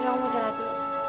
ya aku panggil dulu